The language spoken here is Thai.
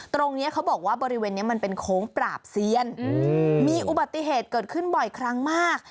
ตรงนี้เขาบอกว่าบริเวณนี้มันเป็นโค้งปราบเซียนมีอุบัติเหตุเกิดขึ้นบ่อยครั้งมาก